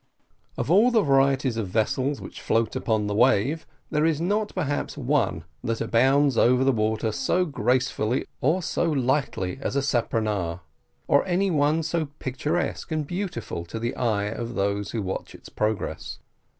Of all the varieties of vessels which float upon the wave, there is not, perhaps, one that bounds over the water so gracefully or so lightly as a speronare, or any one so picturesque and beautiful to the eye of those who watch its progress.